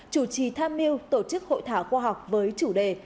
chủ trì tham mưu tổ chức hội thảo khoa học với chủ đề